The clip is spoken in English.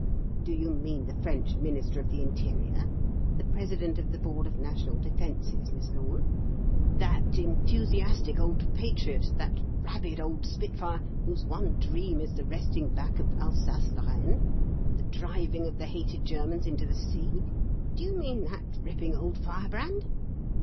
Do you mean the French Minister of the Interior, the President of the Board of National Defences, Miss Lorne that enthusiastic old patriot, that rabid old spitfire, whose one dream is the wresting back of Alsace Lorraine, the driving of the hated Germans into the sea? Do you mean that ripping old firebrand?"